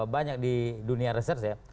banyak di dunia research ya